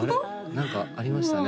何かありましたね